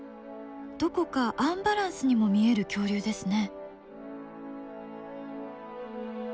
どこかアンバランスにも見える恐竜ですね。